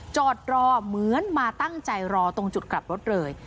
จอดรอเหมือนมาตั้งใจรอตรงจุดกลับรถเลย